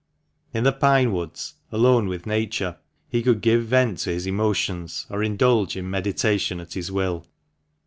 In the pine woods, alone with nature, he could give vent to his emotions, or indulge in meditation at his will.